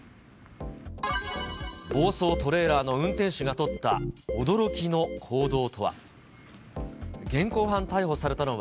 暴走トレーラーの運転手が取った驚きの行動とは。